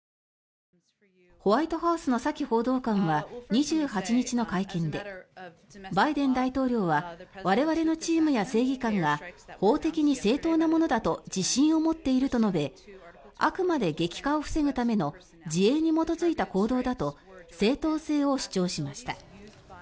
ホワイトハウスのサキ報道官は２８日の会見でバイデン大統領は我々のチームや正義感が法的に正当なものだと自信を持っていると述べあくまで激化を防ぐための自衛に基づいた行動だと正当性を主張しました。